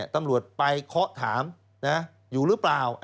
ตำรวจไปเคาะถามอยู่หรือเปล่า